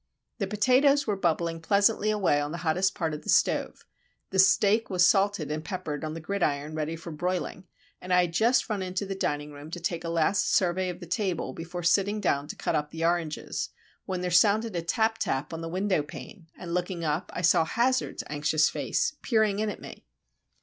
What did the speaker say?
The potatoes were bubbling pleasantly away on the hottest part of the stove, the steak was salted and peppered on the gridiron, ready for broiling, and I had just run in to the dining room to take a last survey of the table before sitting down to cut up the oranges, when there sounded a tap tap on the window pane, and looking up, I saw Hazard's anxious face peering in at me.